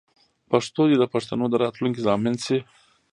پښتو دې د پښتنو د راتلونکې ضامن شي.